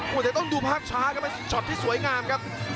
มันต้องดูพักช้าครับไอ้ช็อตที่สวยงามครับ